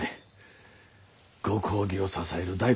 ご公儀を支える大黒柱。